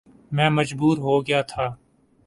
میں مجبور ہو گیا تھا